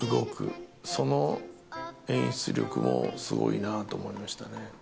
その演出力もすごいなと思いましたね。